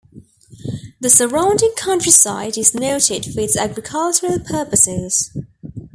The surrounding countryside is noted for its agricultural purposes.